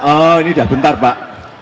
oh ini sudah bentar pak